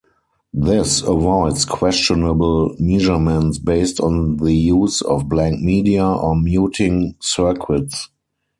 This avoids questionable measurements based on the use of blank media, or muting circuits.